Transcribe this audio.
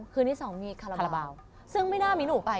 คืนที่สองมีคาราบาลคาราบาลซึ่งไม่น่ามีหนูไปอ่ะ